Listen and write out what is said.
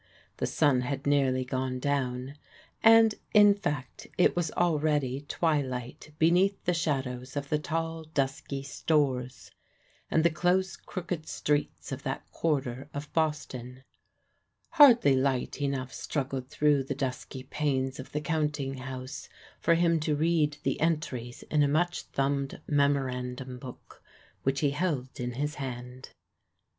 The sun had nearly gone down, and, in fact, it was already twilight beneath the shadows of the tall, dusky stores, and the close, crooked streets of that quarter of Boston. Hardly light enough struggled through the dusky panes of the counting house for him to read the entries in a much thumbed memorandum book, which he held in his hand.